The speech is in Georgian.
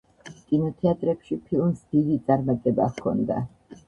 კინოთეატრებში ფილმს დიდი წარმატება ჰქონდა.